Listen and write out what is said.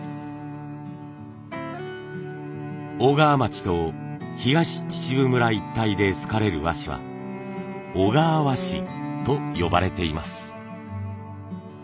小川町と東秩父村一帯ですかれる和紙は「小川和紙」と呼ばれています。